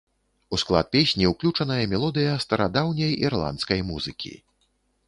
У склад песні ўключаная мелодыя старадаўняй ірландскай музыкі.